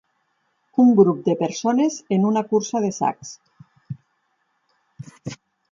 Un grup de persones en una cursa de sacs.